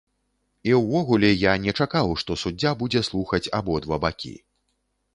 І ўвогуле, я не чакаў, што суддзя будзе слухаць абодва бакі.